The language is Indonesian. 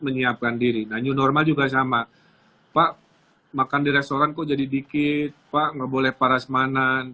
menyiapkan diri nah new normal juga sama pak makan di restoran kok jadi dikit pak nggak boleh parasmanan